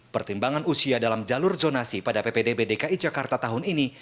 pertimbangan usia dalam jalur zonasi pada ppdb dki jakarta tahun ini